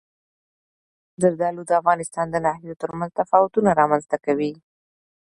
زردالو د افغانستان د ناحیو ترمنځ تفاوتونه رامنځته کوي.